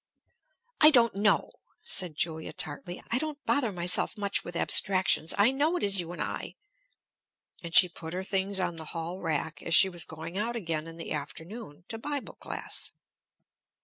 "I don't know," said Julia tartly. "I don't bother myself much with abstractions. I know it is you and I." And she put her things on the hall rack, as she was going out again in the afternoon to bible class.